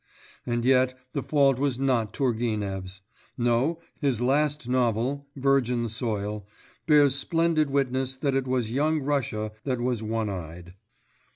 And yet the fault was not Turgenev's. No, his last novel, Virgin Soil, bears splendid witness that it was Young Russia that was one eyed.